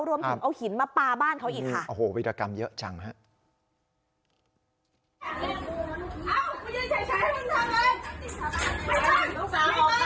รวมถึงเอาหินมาปลาบ้านเขาอีกค่ะโอ้โหวิรกรรมเยอะจังฮะ